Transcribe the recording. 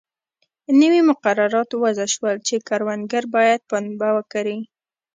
نوي مقررات وضع شول چې کروندګر باید پنبه وکري.